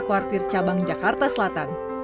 kuartir cabang jakarta selatan